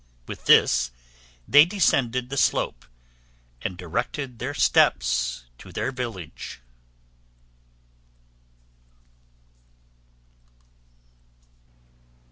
With this they descended the slope and directed their steps to their village.